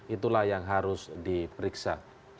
itulah yang harus diperiksa